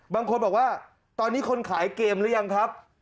บางคนบอกว่าตอนนี้คนขายเกมหรือยังครับ